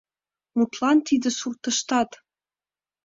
Мутлан, тиде суртыштат!